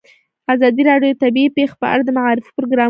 ازادي راډیو د طبیعي پېښې په اړه د معارفې پروګرامونه چلولي.